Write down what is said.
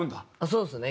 そうですね。